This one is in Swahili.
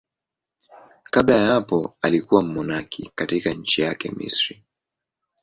Kabla ya hapo alikuwa mmonaki katika nchi yake, Misri.